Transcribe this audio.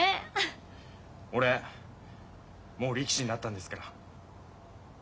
俺もう力士になったんですから。